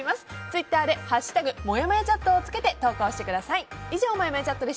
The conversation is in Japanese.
ツイッターで「＃もやもやチャット」をつけて投稿してください。